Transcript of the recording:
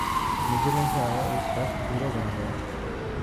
New Zealand سے آیا ایک شخص ہیرو بن گیا